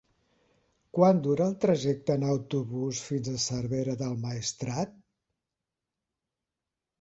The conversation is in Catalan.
Quant dura el trajecte en autobús fins a Cervera del Maestrat?